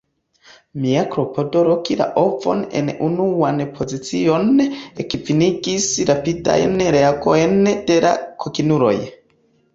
Mia klopodo loki la ovon en unuan pozicion ekvenigis rapidajn reagojn de la kokinuloj.